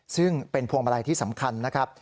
ซึ่งเป็นพวงมาลัยที่สำคัญนะครับ